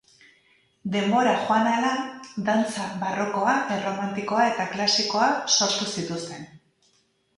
Denbora joan ahala, dantza barrokoa, erromantikoa eta klasikoa sortu zituzten.